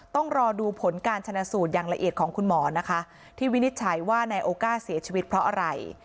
ต้องรอดูผลการชนะสูตรอย่างละเอียดของคุณหมอนะคะที่วินิจฉัยว่านายโอก้าเสียชีวิตเพราะอะไร